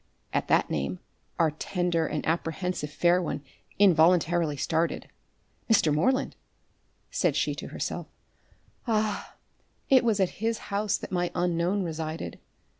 At that name our tender and apprehensive fair one involuntarily started. "Mr. Moreland!" said she to herself, "Ah, it was at his house that my unknown resided.